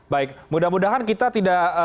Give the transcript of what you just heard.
baik mudah mudahan kita tidak